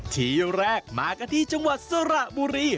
ทีแรกมากันที่จังหวัดสระบุรี